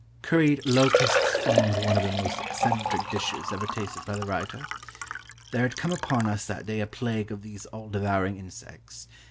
CURRIED LOCUSTS formed one of the most eccentric dishes ever tasted by the writer. There had come upon us that day a plague of these all devouring insects.